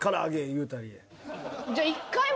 言うたり。